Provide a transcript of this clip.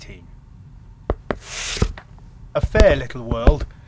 XVIII A fair little world.